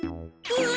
うわ。